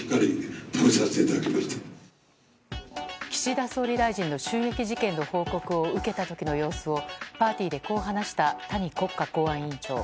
岸田総理大臣の襲撃事件の報告を受けた時の様子をパーティーでこう話した谷国家公安委員長。